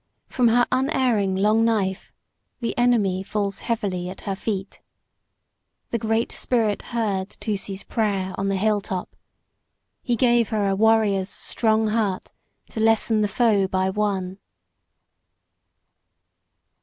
From her unerring long knife the enemy falls heavily at her feet. The Great Spirit heard Tusee's prayer on the hilltop. He gave her a warrior's strong heart to lessen the foe by one.